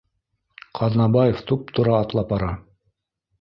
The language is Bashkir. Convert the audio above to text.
Ҡаҙнабаев туп-тура атлап бара